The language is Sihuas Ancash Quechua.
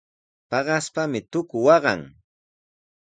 Paqaspami tuku waqan.